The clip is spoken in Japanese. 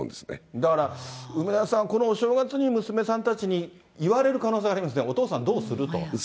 だから梅沢さん、このお正月に娘さんたちに言われる可能性がありますね、お父さん、どうする？と。